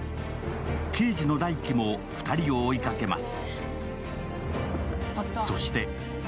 刑事の大輝も２人を追いかけます。